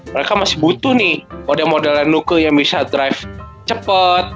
mereka masih butuh nih model model nukel yang bisa drive cepat